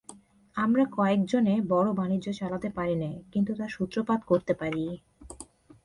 আমরা কয়জনে বড়ো বাণিজ্য চালাতে পারি নে, কিন্তু তার সূত্রপাত করতে পারি।